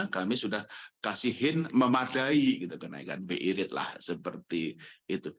kami sudah kasihin memadai kenaikan bi rate lah seperti itu